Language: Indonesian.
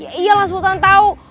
ya iyalah suatan tau